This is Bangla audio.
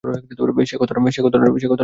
সে কতটা নিষ্ঠুর জানো?